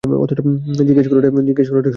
অথচ জিজ্ঞেস করাটাই স্বাভাবিক ছিল।